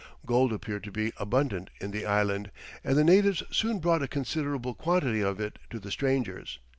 Gold appeared to be abundant in the island, and the natives soon brought a considerable quantity of it to the strangers.